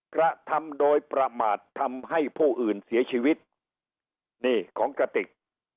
กระทำโดยประมาททำให้ผู้อื่นเสียชีวิตนี่ของกระติก